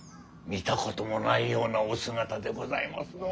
見たこともないようなお姿でございますぞ。